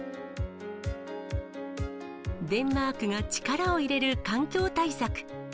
デンマークが力を入れる環境対策。